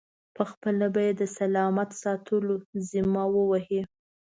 پخپله به یې د سلامت ساتلو ذمه و وهي.